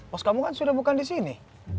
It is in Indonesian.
bos kamu kan sudah bukan disini